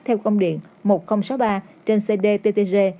theo công điện một nghìn sáu mươi ba trên cdttg